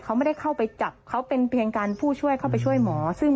เขาไม่ได้เข้าไปจับเขาเป็นเพียงการผู้ช่วยเข้าไปช่วยหมอซึ่ง